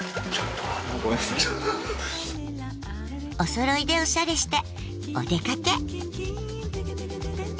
おそろいでオシャレしてお出かけ。